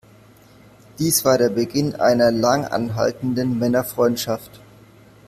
Dies war der Beginn einer lang anhaltenden Männerfreundschaft.